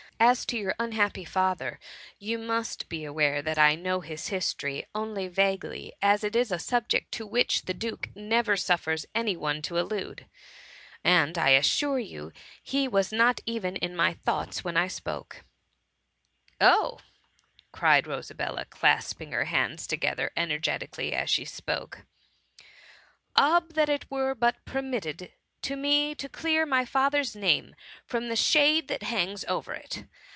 As to your unhappy father, you must be aware I know his history only vaguely, as it ' VOL. I. F 98 THE MUMMY. is a subject to which the duke never suffers any one to allude; and I assure you he was not even in my thoughts whea J spoke— ^^ Oh !^ cried Rosabella, clasping her hands together energetically as she spoke ;'^ Oh ! that it were but permitted to me to clear my father's name from the shade that hangs over it.